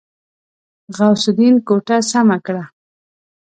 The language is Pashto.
غوث الدين کوټه سمه کړه.